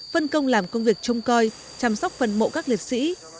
phân công làm công việc trông coi chăm sóc phần mộ các liệt sĩ